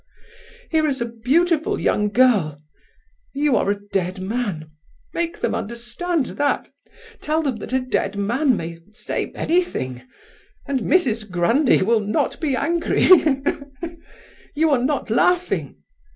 'Here is a beautiful young girl—you are a dead man; make them understand that. Tell them that a dead man may say anything—and Mrs. Grundy will not be angry—ha ha! You are not laughing?"